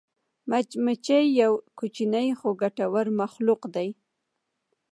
مچمچۍ یو کوچنی خو ګټور مخلوق دی